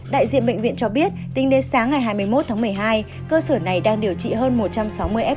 đại diện bệnh viện cho biết tính đến sáng ngày hai mươi một tháng một mươi hai cơ sở này đang điều trị hơn một trăm sáu mươi f